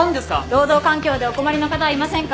労働環境でお困りの方はいませんか？